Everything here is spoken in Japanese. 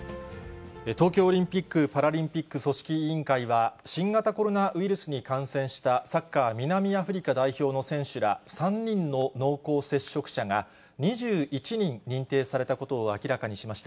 東京オリンピック・パラリンピック組織委員会は、新型コロナウイルスに感染したサッカー南アフリカ代表の選手ら３人の濃厚接触者が、２１人認定されたことを明らかにしていました。